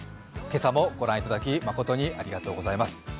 今朝も御覧いただきまことにありがとうございます。